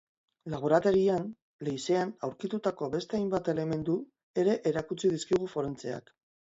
Laborategian, leizean aurkitutako beste hainbat elementu ere erakutsi dizkigu forentseak.